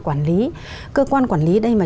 quản lý cơ quan quản lý đây mà